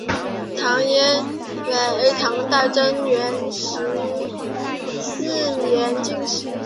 李翱为唐代贞元十四年进士。